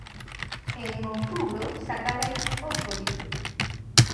E en outubro sacarei outro libro.